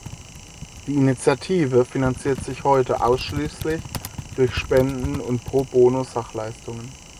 Die Initiative finanziert sich heute ausschließlich durch Spenden und pro bono Sachleistungen.